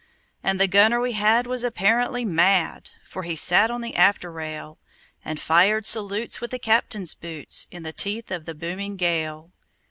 And the gunner we had was apparently mad, For he sat on the after rail, And fired salutes with the captain's boots, In the teeth of the booming gale.